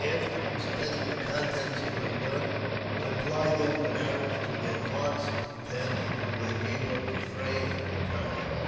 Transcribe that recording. After expending the contents of my guns, I plied them with arrows to their hearts' content, until they gave up the fray and retired.